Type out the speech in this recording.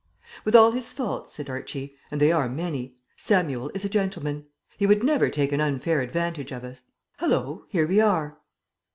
"With all his faults," said Archie, "and they are many Samuel is a gentleman. He would never take an unfair advantage of us. Hallo, here we are!"